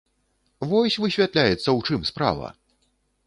Вось, высвятляецца, у чым справа!